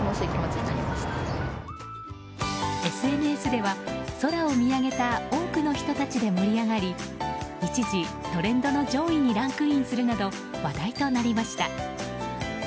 ＳＮＳでは、空を見上げた多くの人たちで盛り上がり一時、トレンドの上位にランクインするなど話題となりました。